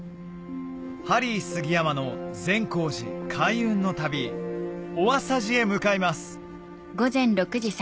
ハリー杉山の善光寺開運の旅お朝事へ向かいます